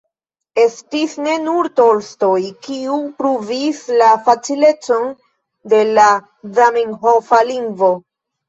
Estis ne nur Tolstoj, kiu pruvis la facilecon de la zamenhofa lingvo.